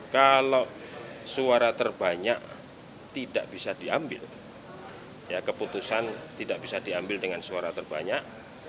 kalau suara terbanyak tidak bisa diambil keputusan tidak bisa diambil dengan suara terbanyak